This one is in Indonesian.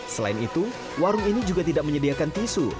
selain itu warung ini juga tidak menyediakan tisu